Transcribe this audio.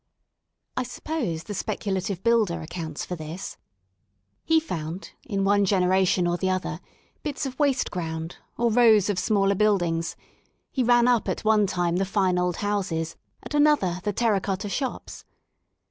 I suppose the speculative builder accounts for this. He found in one generation or the other^ bits of waste ground, or rows of smaller buildings; he ran up at one time the fine old houses, at another the terra cotta shops.